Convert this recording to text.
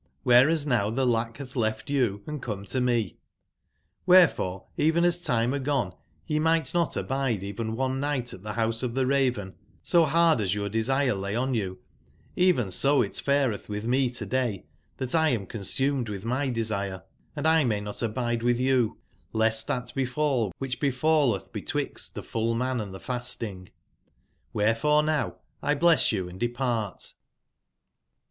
C3hereas now the lack hath left you and come tome, therefore even as time agone ye might not abide even one night at the Rouse of the Raven, so hard as your desire lay on you, even so it fareth with me to/day, that X am consumed with my desire, and 1 may not abide with you ; lest that befall which be falleth betwixt the full man and the fas ting, ^here f ore no w X bless you and depart."